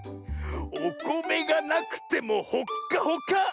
おこめがなくてもほっかほか！